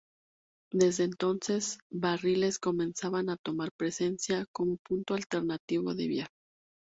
Desde entonces, Barriles comenzaba a tomar presencia como punto alternativo de viaje.